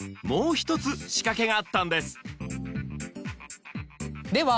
もう１つ仕掛けがあったんですで